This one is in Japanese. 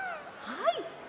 はい！